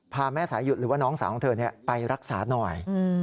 พาแม่สายุดหรือว่าน้องสาวของเธอไปรักษาหน่อย